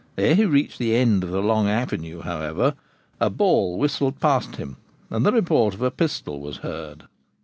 Ere he reached the end of the long avenue, however, a ball whistled past him, and the report of a pistol was heard.